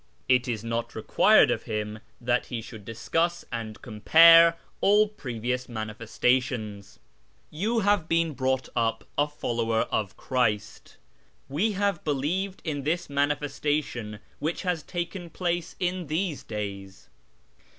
It is not required of liiiu tliat lie should discuss ;iiiil compare all ])revious ' inaiiifestatioiis.' You have been brought up a follower of Christ. We have believed in this ' manifestation ' which has taken place in these days.